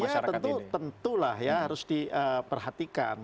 oh iya tentu tentulah ya harus diperhatikan